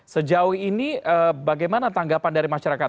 sejauh ini bagaimana tanggapan dari masyarakat